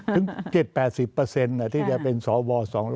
ถึง๗๘๐ที่จะเป็นสว๒๕